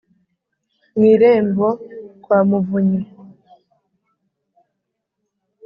Mu irembo kwa Muvunyi